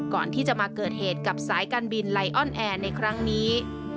ก่อนที่จะมาเกิดเหตุกับสายการบินไลออนแอร์ในครั้งนี้